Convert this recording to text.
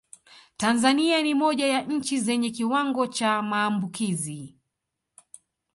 Tanzania ni moja ya nchi zenye kiwango cha maambukizi